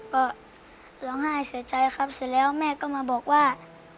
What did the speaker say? ก็ร้องไห้เสียใจครับเสร็จแล้วแม่ก็มาบอกว่า